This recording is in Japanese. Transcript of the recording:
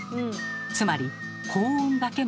つまり高温だけの場所